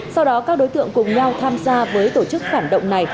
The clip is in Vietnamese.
sau đó các đối tượng cùng nhau tham gia với tổ chức phản động này